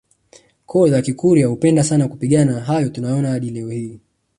koo za Kikurya hupenda sana kupigana na haya tunayaona hadi leo hii